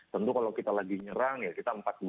tentu kalau kita lagi nyerang ya kita empat dua